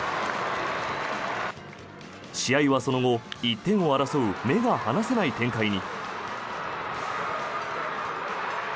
試合はその後、１点を争う目が離せない展開に。